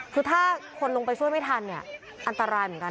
คือถ้าคนลงไปช่วยไม่ทันเนี่ยอันตรายเหมือนกัน